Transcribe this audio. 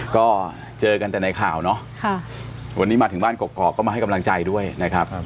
ก็เจอกันแต่ในข่าวเนาะวันนี้มาถึงบ้านกรอกก็มาให้กำลังใจด้วยนะครับ